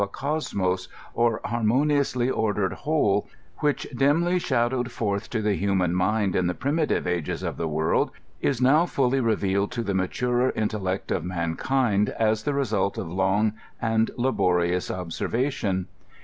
a Cosmos, or hannoniously oidered whole, which, dimly shad owed forth to the hmnan mind in the primitive ages of the world, is now fully revealed to the maturer intellect of man kind as the result of long and laborious observation.